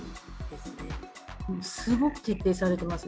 すごく徹底されています。